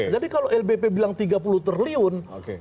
jadi kalau lbp bilang tiga puluh triliun